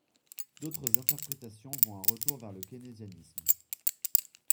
D'autres interprétations voient un retour vers le keynésianisme.